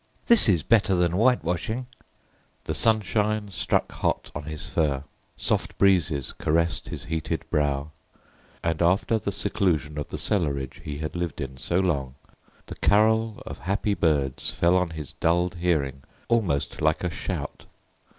"This is better than whitewashing!" The sunshine struck hot on his fur, soft breezes caressed his heated brow, and after the seclusion of the cellarage he had lived in so long the carol of happy birds fell on his dulled hearing almost like a shout.